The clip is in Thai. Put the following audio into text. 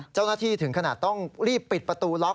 เจ้าหน้าที่ถึงขนาดต้องรีบปิดประตูล็อก